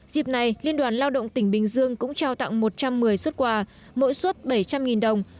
dịp này liên đoàn lao động tỉnh bình dương cũng trao tặng một trăm một mươi xuất quà mỗi xuất bảy trăm linh đồng